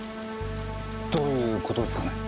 どういう事っすかね？